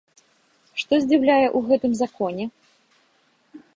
Што здзіўляе ў гэтым законе?